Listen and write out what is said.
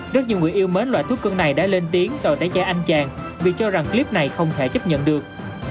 rất nhiều người yêu mến loại thuốc cân này đã lên tiếng tội tái chai anh chàng vì cho rằng clip này không thể chấp nhận được